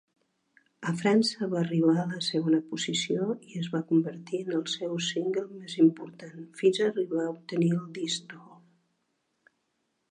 A França, va arribar a la segona posició i es va convertir en el seu single més important, fins arribar a obtenir el disc d'or.